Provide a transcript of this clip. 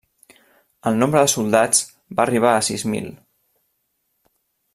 El nombre de soldats va arribar a sis mil.